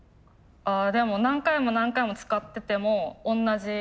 あでも何回も何回も使ってても同じ。